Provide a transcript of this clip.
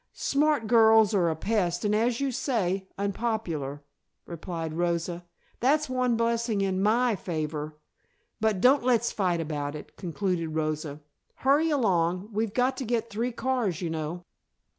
Smart girls are a pest and, as you say, unpopular," replied Rosa. "That's one blessing in my favor. But don't let's fight about it," concluded Rosa. "Hurry along. We've got to get three cars, you know."